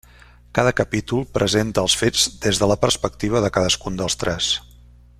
Cada capítol presenta els fets des de la perspectiva de cadascun dels tres.